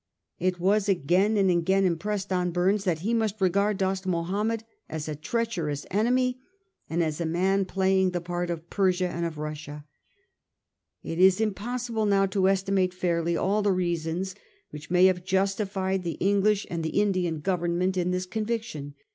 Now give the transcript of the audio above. It was again and again impressed on Bumes that he must regard Dost Mahomed as a treacherous enemy and as a man playing the part of Persia and of Russia. It is impossible now to esti mate fairly all the reasons which may have justified 1837 41. A DARK PAGE OF HISTORY. 229 the English and the Indian Governments in this con viction.